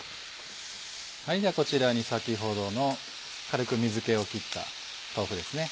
じゃあこちらに先ほどの軽く水気を切った豆腐ですね。